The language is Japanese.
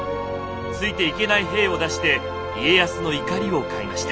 ついていけない兵を出して家康の怒りを買いました。